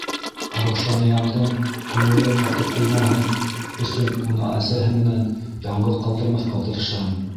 Раушаниямдың күңеле ҡатып ҡуймаһын өсөн уны әсәһе менән яңғыҙын ҡалдырмаҫҡа тырышам.